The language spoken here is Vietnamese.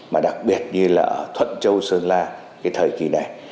mà đặc biệt như là ở thuận châu sơn la cái thời kỳ này